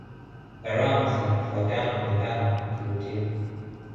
gharama zinatofautiana kulingana na kivutio